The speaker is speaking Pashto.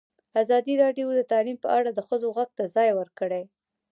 ازادي راډیو د تعلیم په اړه د ښځو غږ ته ځای ورکړی.